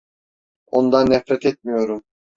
Ondan nefret etmiyorum.